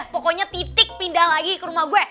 pokoknya titik pindah lagi ke rumah gue